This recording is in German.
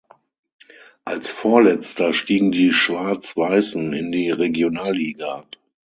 Als Vorletzter stiegen die Schwarz-Weißen in die Regionalliga ab.